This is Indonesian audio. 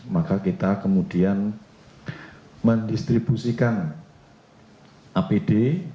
maka kita kemudian mendistribusikan apd